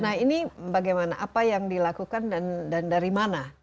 nah ini bagaimana apa yang dilakukan dan dari mana